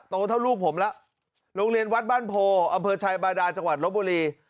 โตเท่าลูกผมแล้วโรงเรียนวัดบ้านโพอำเภอชายบาดาจังหวัดลบบุรี